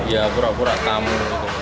ya pura pura tamu